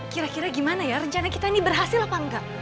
kira kira gimana ya rencana kita ini berhasil apa enggak